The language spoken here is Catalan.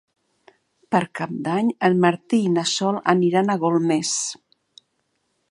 Per Cap d'Any en Martí i na Sol aniran a Golmés.